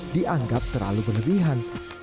dianggap terlalu penebihan